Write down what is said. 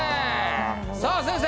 さあ先生。